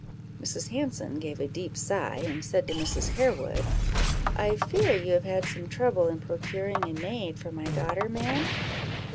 Mrs. Hanson gave a deep sigh, and said to Mrs. Harewood "I fear you have had some trouble in procuring a maid for my daughter, ma'am?"